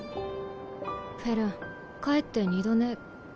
フェルン帰って二度寝。